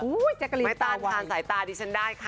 โอ้โฮแจ๊กกะลินตาไหวไม่ต้อนทานสายตาดีฉันได้ค่ะ